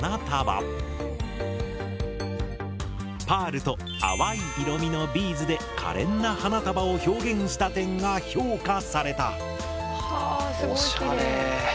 パールと淡い色味のビーズでかれんな花束を表現した点が評価された。